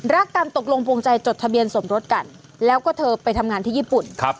รักกันตกลงภูมิใจจดทะเบียนสมรสกันแล้วก็เธอไปทำงานที่ญี่ปุ่น